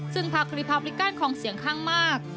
ซึ่งภาคริปราบิลิกันคล่องเสียงข้างมาก